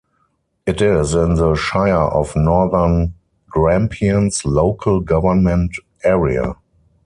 It is in the Shire of Northern Grampians local government area.